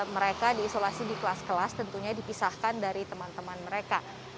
mereka diisolasi di kelas kelas tentunya dipisahkan dari teman teman mereka